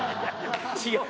違う。